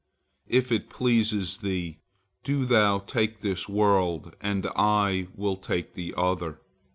If it please thee, do thou take this world, and I will take the other."